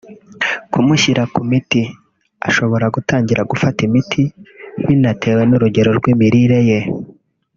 Kumushyira ku miti (Ashobora gutangira gufata imiti binatewe n’urugero rw’imirire ye)